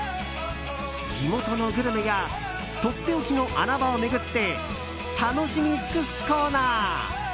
地元のグルメやとっておきの穴場を巡って楽しみ尽くすコーナー。